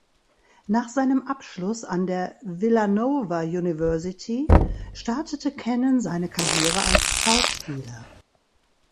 Nach seinem Abschluss an der Villanova University startete Cannon seine Karriere als Schauspieler.